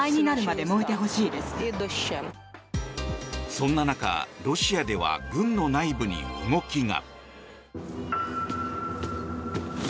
そんな中、ロシアでは軍の内部に動きが。